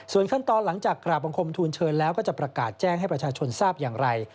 ส่วนขั้นตอนหลังจากกราบบังคมทูลเชิญแล้วก็จะประกาศแจ้งให้ประชาชนทราบอย่างไร